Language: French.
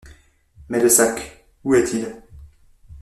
Mais le sac, où est-il ?